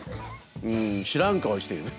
うん知らん顔してる。